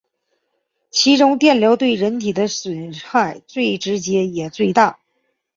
其中电流对人体的损害最直接也最大。